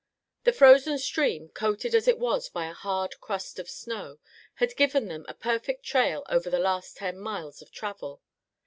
The frozen stream, coated as it was by a hard crust of snow, had given them a perfect trail over the last ten miles of travel.